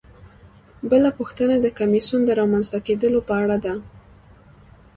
بله پوښتنه د کمیسیون د رامنځته کیدو په اړه ده.